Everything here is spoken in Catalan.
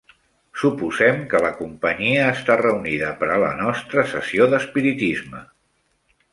Suposem que la companyia està reunida per a la nostra sessió d'espiritisme.